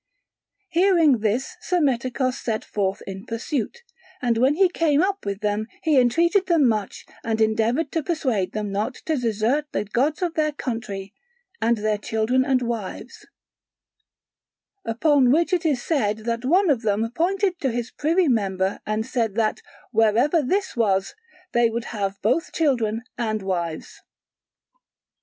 Hearing this Psammetichos set forth in pursuit, and when he came up with them he entreated them much and endeavoured to persuade them not to desert the gods of their country and their children and wives: upon which it is said that one of them pointed to his privy member and said that wherever this was, there would they have both children and wives.